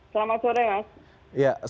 selamat sore mas